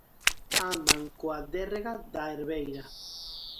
Andan coa derrega da herbeira.